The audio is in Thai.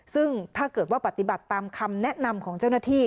ซึ่งถ้าเกิดว่าปฏิบัติตามคำแนะนำของเจ้าหน้าที่